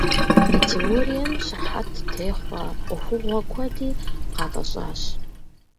Мы теорием щыхьэт техъуэ ӏуэхугъуэ куэди къатӏэщӏащ.